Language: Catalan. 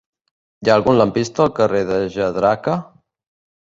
Hi ha algun lampista al carrer de Jadraque?